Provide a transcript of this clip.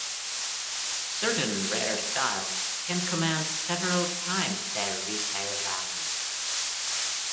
Certain rare styles can command several times their retail value.